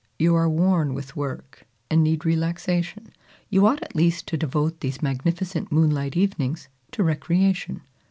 You are worn with work, and need relaxation. You ought at least to devote these magnificent moonlight evenings to recreation.